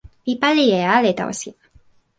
mi pali e ale tawa sina.